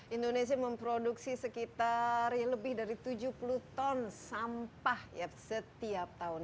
indonesia memproduksi sekitar tujuh puluh ton sampah setiap tahun